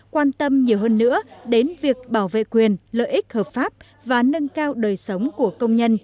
quan tâm nhiều hơn nữa đến việc bảo vệ quyền lợi ích hợp pháp và nâng cao đời sống của công nhân